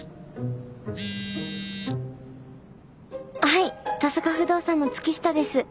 はい登坂不動産の月下です。